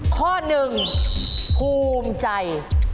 ข้อหนึ่งภูมิใจ